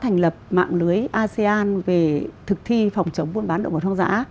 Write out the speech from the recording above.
thành lập mạng lưới asean về thực thi phòng chống buôn bán động vật hoang dã